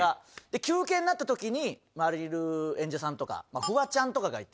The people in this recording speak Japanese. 休憩になった時に周りにいる演者さんとかフワちゃんとかがいて。